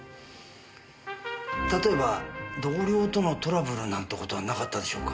例えば同僚とのトラブルなんて事はなかったでしょうか？